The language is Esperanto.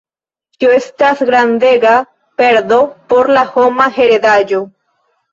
Tio estas grandega perdo por la homa heredaĵo.